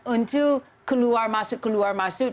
untuk keluar masuk keluar masuk